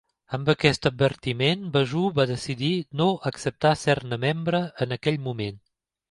Amb aquest advertiment, Bajor va decidir no acceptar ser-ne membre en aquell moment.